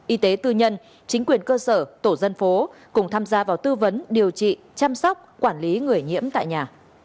y tế tư nhân chính quyền cơ sở tổ dân phố cùng tham gia vào tư vấn điều trị chăm sóc quản lý người nhiễm tại nhà